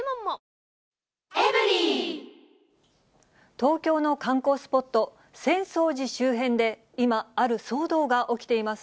東京の観光スポット、浅草寺周辺で、今、ある騒動が起きています。